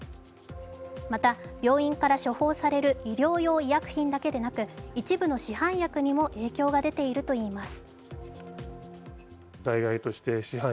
また病院から処方される医療用医薬品だけでなく一部の市販薬にも影響が出ているといいます。